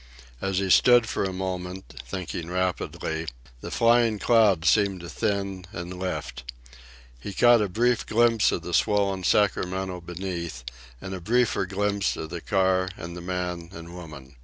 As he stood for a moment, thinking rapidly, the flying clouds seemed to thin and lift. He caught a brief glimpse of the swollen Sacramento beneath, and a briefer glimpse of the car and the man and woman.